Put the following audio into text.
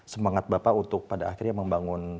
semangat bapak untuk pada akhirnya membangun